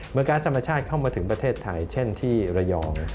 ก๊าซธรรมชาติเข้ามาถึงประเทศไทยเช่นที่ระยอง